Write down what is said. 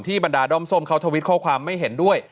บรรดาด้อมส้มเขาทวิตข้อความไม่เห็นด้วย